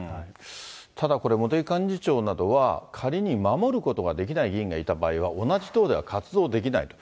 ただ、これ、茂木幹事長などは、仮に守ることができない議員がいた場合は、同じ党では活動できないと。